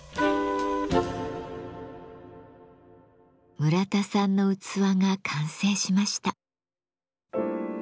村田さんの器が完成しました。